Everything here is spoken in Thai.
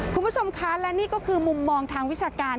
คุณผู้ชมคะและนี่ก็คือมุมมองทางวิชาการ